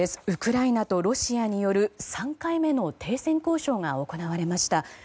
ウクライナとロシアによる３回目の停戦交渉が行われました。